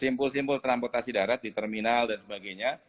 simpul simpul transportasi darat di terminal dan sebagainya